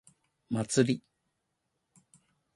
祭り